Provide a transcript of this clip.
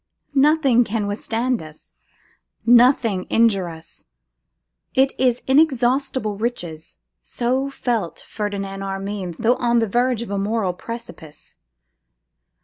Nothing can withstand us; nothing injure us; it is inexhaustible riches. So felt Ferdinand Armine, though on the verge of a moral precipice.